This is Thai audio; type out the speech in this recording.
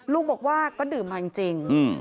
ลุงบอกว่าก็ดื่มมาจริง